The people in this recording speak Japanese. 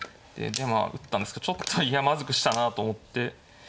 でまあ打ったんですけどちょっとまずくしたなと思ってだいぶ。